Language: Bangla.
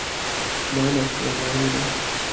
না না, রাগারাগি না!